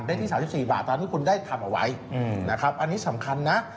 ได้ที่๓๔บาทตอนที่คุณได้ทำเอาไว้อันนี้สำคัญนะ